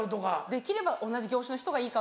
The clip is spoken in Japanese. できれば同じ業種の人がいい。